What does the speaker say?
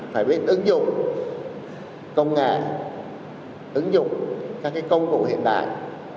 phải biết ứng dụng công nghệ ứng dụng các công cụ hiện đại